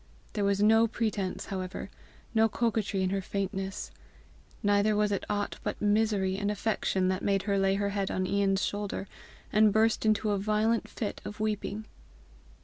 There was no pretence, however, no coquetry in her faintness. Neither was it aught but misery and affection that made her lay her head on Ian's shoulder, and burst into a violent fit of weeping.